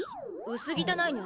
薄汚いね。